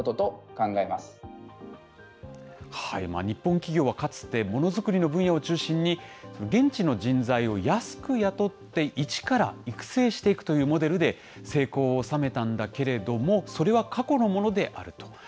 日本企業はかつて、ものづくりの分野を中心に、現地の人材を安く雇って、一から育成していくというモデルで成功を収めたんだけれども、それは過去のものであると。